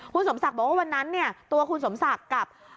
คุณสมศักดิ์บอกว่าวันนั้นเนี่ยตัวคุณสมศักดิ์กับ